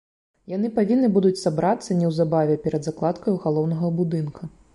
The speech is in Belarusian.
Яны павінны будуць сабрацца неўзабаве, перад закладкаю галоўнага будынка.